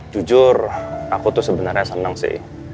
jujur aku tuh sebenarnya senang sih